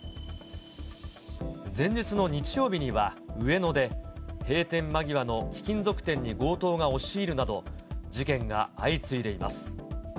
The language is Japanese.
前日の日曜日には上野で、閉店間際の貴金属店に強盗が押し入るなど、事件が相次いでいます。